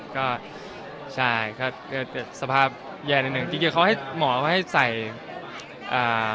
ก็ใช่ครับก็สภาพแย่หนึ่งหนึ่งเดี๋ยวเขาให้หมอเขาให้ใส่อ่า